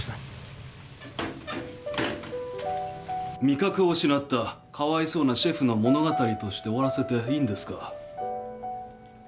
味覚を失ったかわいそうなシェフの物語として終わらせていいんですか？